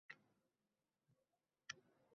Normal odam Bugun tug'ilgan kunim!